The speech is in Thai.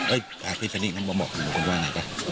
เอ้ยพี่สาวดิ้งเข้ามาบอกกับหนูกันว่าไงค่ะ